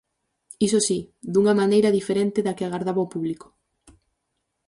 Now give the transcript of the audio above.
Iso si: dunha maneira diferente da que agardaba o público.